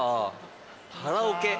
カラオケ？